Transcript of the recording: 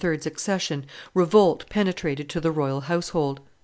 's accession, revolt penetrated to the royal household.